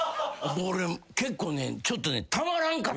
俺結構ねちょっと。